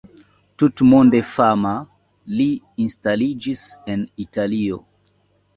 Tutmonde fama, li instaliĝis en Italio.